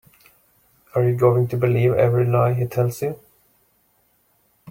Are you going to believe every lie he tells you?